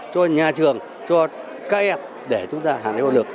cho nhà trường cho các em để chúng ta hàn huy lực